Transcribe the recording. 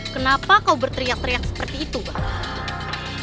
kenapa kau berteriak teriak seperti itu pak